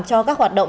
cho các hoạt động